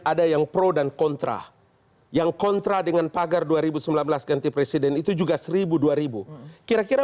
ada yang pro dan kontra yang kontra dengan pagar dua ribu sembilan belas ganti presiden itu juga seribu dua ribu kira kira